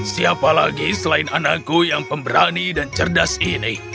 siapa lagi selain anakku yang pemberani dan cerdas ini